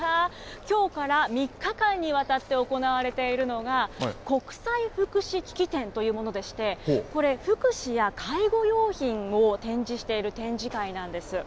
きょうから３日間にわたって行われているのが、国際福祉機器展というものでして、これ、福祉や介護用品を展示している展示会なんです。